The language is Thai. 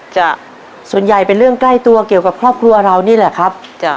ส่วนใหญ่เป็นเรื่องใกล้ตัวเกี่ยวกับครอบครัวเรานี่แหละครับจ้ะ